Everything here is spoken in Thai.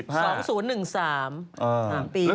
ตั้งแต่๒๓ปีครับ๓๔๕